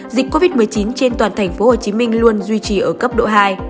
dịch covid một mươi chín trên toàn tp hcm luôn duy trì ở cấp độ hai